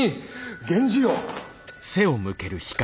源氏よ。